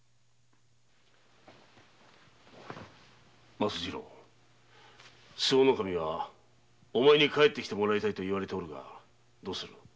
松次郎周防守はお前に帰って来てほしいと言っておられるがどうする？